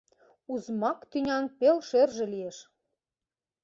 Узьмак тӱнян пел шӧржӧ лиеш».